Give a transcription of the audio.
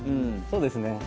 そうですね。